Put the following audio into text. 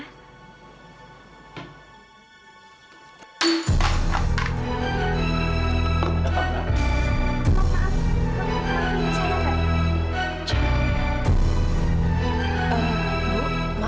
kok jawabannya juga sama